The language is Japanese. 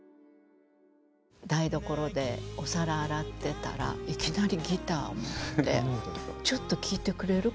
台所でお皿洗ってたらいきなりギターを持って「ちょっと聴いてくれる？